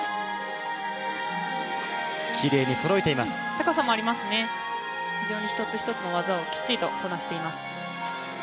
高さもありますね、非常に一つ一つの技をきっちりとこなしています。